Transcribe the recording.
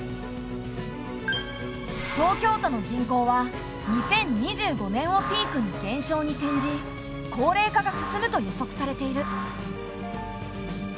東京都の人口は２０２５年をピークに減少に転じ高齢化が進むと予測されている。